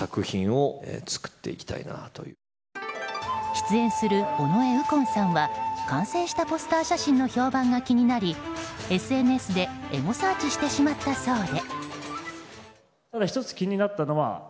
出演する尾上右近さんは完成したポスター写真の評判が気になりＳＮＳでエゴサーチしてしまったそうで。